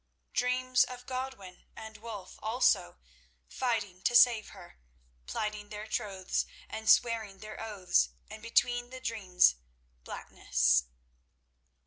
Dreams of Godwin and Wulf also fighting to save her, plighting their troths and swearing their oaths, and between the dreams blackness.